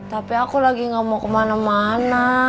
tapi aku lagi gak mau kemana mana